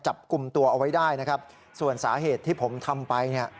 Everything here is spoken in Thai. จับกลุ่มตัวเอาไว้ได้นะครับส่วนสาเหตุที่ผมทำไปเนี่ย